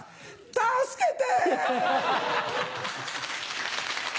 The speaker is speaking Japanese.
助けて！